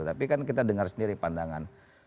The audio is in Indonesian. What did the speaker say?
tapi kan kita dengar sendiri pandangan